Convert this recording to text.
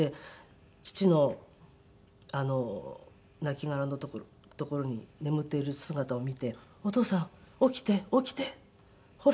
父の亡きがらの所に眠っている姿を見て「お父さん起きて起きて。ほら手まだ温かい」。